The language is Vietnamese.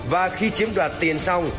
và khi chiếm đoạt tiền xong